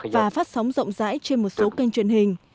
và phát sóng rộng rãi trên một số kênh truyền hình